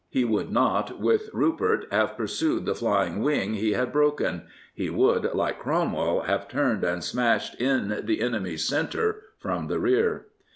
He would not, with Rupert, have pursued the flying wing he had broken: he would, like Cromwell, have turned and smashed in the enemy's centre from the rear.